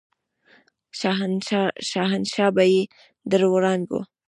شهنشاه به يې د وړانګو